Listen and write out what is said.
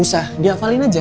ya diafalin aja